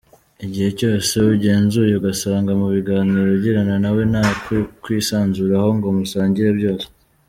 Igihe cyose ugenzuye ugasanga mu biganiro ugirana na we nta kukwisanzuraho ngo musangire byose.